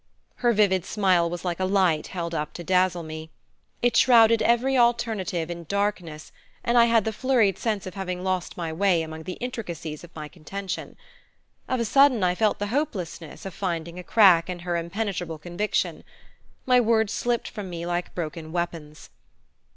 Her vivid smile was like a light held up to dazzle me. It shrouded every alternative in darkness and I had the flurried sense of having lost my way among the intricacies of my contention. Of a sudden I felt the hopelessness of finding a crack in her impenetrable conviction. My words slipped from me like broken weapons.